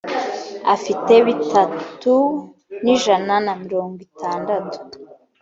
afite bitatu n’ijana na mirongo itandatu